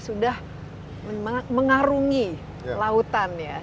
sudah mengarungi lautan ya